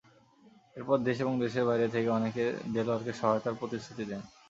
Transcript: এরপর দেশ এবং দেশের বাইরে থেকে অনেকে দেলোয়ারকে সহায়তার প্রতিশ্রুতি দেন।